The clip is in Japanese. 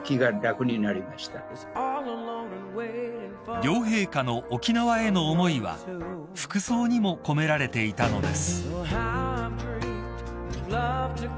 ［両陛下の沖縄への思いは服装にも込められていたのです］